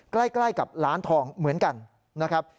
ใกล้กับร้านทองเหมือนกันนะครับ